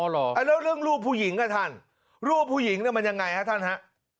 แล้วเรื่องรูปผู้หญิงอ่ะท่านรูปผู้หญิงเนี่ยมันยังไงฮะท่านฮะ